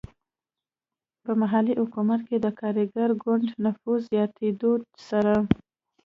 په محلي حکومت کې د کارګر ګوند نفوذ زیاتېدو سره.